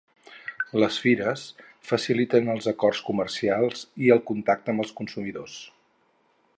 Les fires faciliten els acords comercials i el contacte amb els consumidors.